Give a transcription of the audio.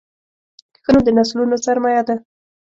ښه نوم د نسلونو سرمایه ده.